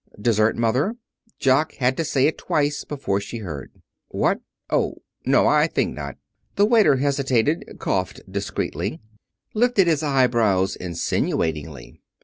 "Dessert, Mother?" Jock had to say it twice before she heard. "What? Oh, no I think not." The waiter hesitated, coughed discreetly, lifted his eyebrows insinuatingly.